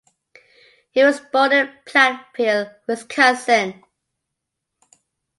He was born in Platteville, Wisconsin.